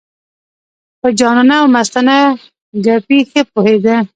په جانانه او مستانه ګپې ښه پوهېده.